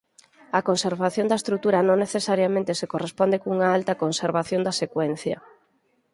A conservación da estrutura non necesariamente se corresponde cunha alta conservación da secuencia.